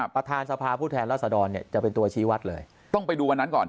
ประธานสภาผู้แทนรัศดรเนี่ยจะเป็นตัวชี้วัดเลยต้องไปดูวันนั้นก่อน